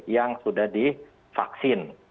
yang sudah divaksin